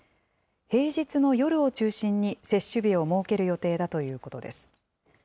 平日の夜を中心に接種日を設ける予定だということです。